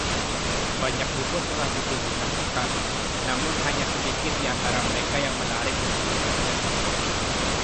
Banyak buku telah dipublikasikan, namun hanya sedikit diantara mereka yang menarik untuk dibaca.